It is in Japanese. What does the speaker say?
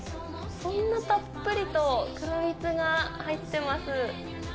こんなたっぷりと黒蜜が入ってます。